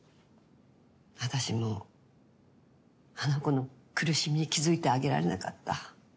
私もあの子の苦しみに気付いてあげられなかった。